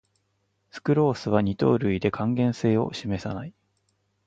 スクロースは二糖類で還元性を示さない